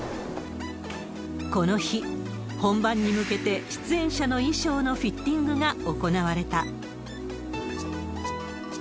この日、本番に向けて出演者の衣装のフィッティングが行われた。